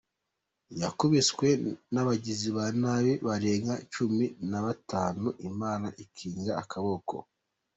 Yakubiswe n’abagizi ba nabi barenga Cumi Nabatanu Imana ikinga akaboko